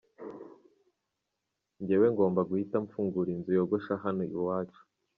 Njyewe ngomba guhita mfungura inzu yogosha hano iwacu.